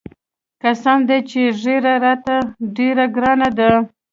قسم دى چې ږيره راته ډېره ګرانه ده.